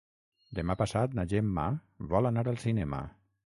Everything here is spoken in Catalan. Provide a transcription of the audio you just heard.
Demà passat na Gemma vol anar al cinema.